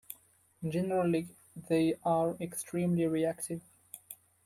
Generally, they are extremely reactive.